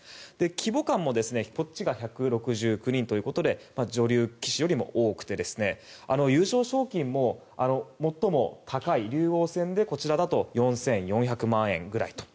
規模感も棋士が１６９人ということで女流棋士よりも多くて優勝賞金も最も高い竜王戦でこちらだと４４００万円ぐらいと。